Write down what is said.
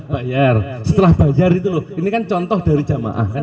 bayar setelah bayar itu loh ini kan contoh dari jamaah kan